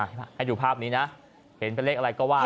ให้ดูภาพนี้นะเห็นเป็นเลขอะไรก็ว่า